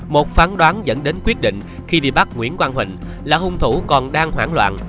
một phán đoán dẫn đến quyết định khi đi bắt nguyễn quang huỳnh là hung thủ còn đang hoảng loạn